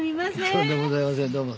とんでもございませんどうも。